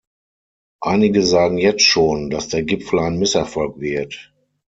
Einige sagen jetzt schon, dass der Gipfel ein Misserfolg wird.